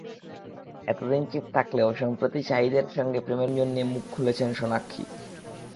এতদিন চুপ থাকলেও, সম্প্রতি শাহিদের সঙ্গে প্রেমের গুঞ্জন নিয়ে মুখ খুলেছেন সোনাক্ষী।